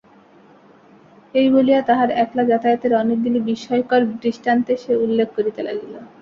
এই বলিয়া তাহার একলা যাতায়াতের অনেকগুলি বিস্ময়কর দৃষ্টান্তের সে উল্লেখ করিতে লাগিল।